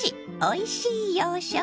おいしい洋食」。